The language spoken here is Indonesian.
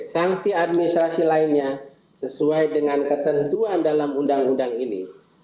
sanksi administrasi lainnya sesuai dengan ketentuan dalam undang undang ini